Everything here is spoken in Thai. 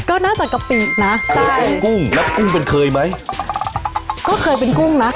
ก็น่าจะกะปินะใช่กุ้งกุ้งแล้วกุ้งเป็นเคยไหมก็เคยเป็นกุ้งนะ